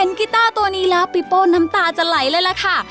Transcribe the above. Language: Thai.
กีต้าตัวนี้แล้วปีโป้นน้ำตาจะไหลเลยล่ะค่ะ